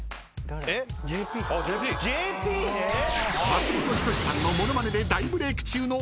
［松本人志さんの物まねで大ブレーク中のＪＰ］